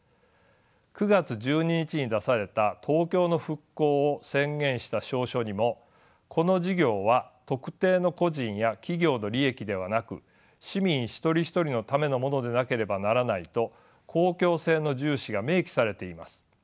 ９月１２日に出された東京の復興を宣言した詔書にもこの事業は特定の個人や企業の利益ではなく市民一人一人のためのものでなければならないと公共性の重視が明記されています。